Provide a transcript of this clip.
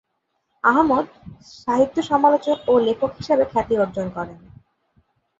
আহমদ সাহিত্য সমালোচক ও লেখক হিসাবে খ্যাতি অর্জন করেন।